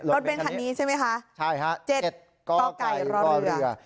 รถเบนทางนี้ใช่ไหมคะ๗ก้าวไก่รถเรือ